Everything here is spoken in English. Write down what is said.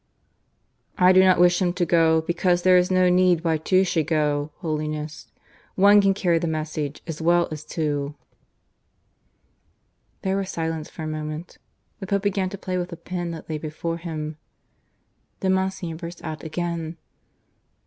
"I do not wish him to go because there is no need why two should go, Holiness. One can carry the message as well as two." There was silence for a moment. The Pope began to play with a pen that lay before him. Then Monsignor burst out again.